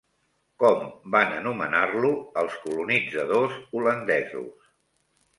Com van anomenar-lo els colonitzadors holandesos?